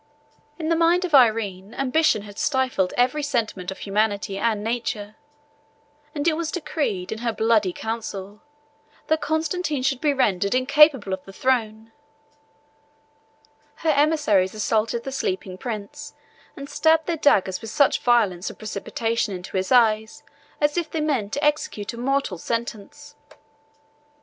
In the mind of Irene, ambition had stifled every sentiment of humanity and nature; and it was decreed in her bloody council, that Constantine should be rendered incapable of the throne: her emissaries assaulted the sleeping prince, and stabbed their daggers with such violence and precipitation into his eyes as if they meant to execute a mortal sentence.